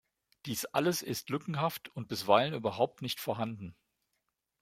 Dies alles ist lückenhaft und bisweilen überhaupt nicht vorhanden.